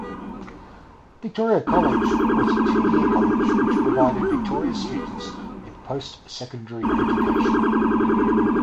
Victoria College was a two-year college which provided Victoria students with post-secondary education.